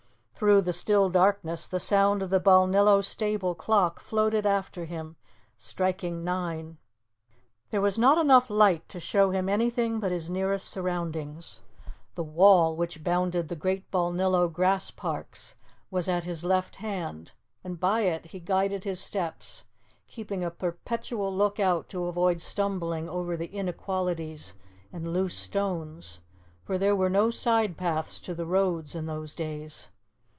Through the still darkness the sound of the Balnillo stable clock floated after him, striking nine. There was not enough light to show him anything but his nearest surroundings. The wall which bounded the great Balnillo grass parks was at his left hand, and by it he guided his steps, keeping a perpetual look out to avoid stumbling over the inequalities and loose stones, for there were no side paths to the roads in those days.